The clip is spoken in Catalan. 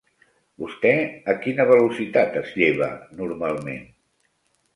Vostè a quina velocitat es lleva normalment?